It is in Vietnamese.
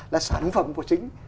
là sản phẩm của chính